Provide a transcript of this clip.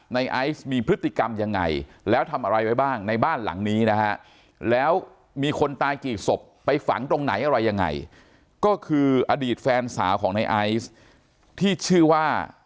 ในไอศมีพฤติกรรมยังไงแล้วทำอะไรไว้บ้างในบ้านหลังนี้นะฮะ